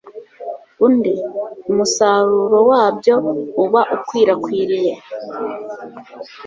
undi, umusaruro wabyo uba ukwirakwiriye